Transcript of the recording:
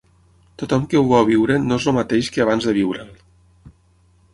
Tothom que ho va viure no és el mateix que abans de viure’l.